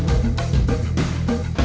karena dia puyorsuner